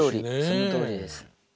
そのとおりです。